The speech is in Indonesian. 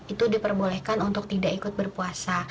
itu diperbolehkan untuk tidak ikut berpuasa